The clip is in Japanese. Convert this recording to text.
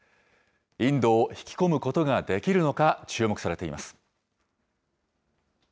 インドを引き込むことができるのか、注目されています。